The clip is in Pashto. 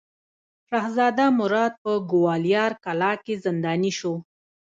شهزاده مراد په ګوالیار کلا کې زنداني شو.